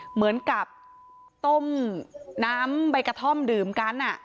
เหมือนกับต้มน้ำใบกระท่อมดื่มกัน